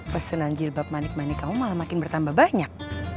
pesanan jilbab manik manik kamu malah makin bertambah banyak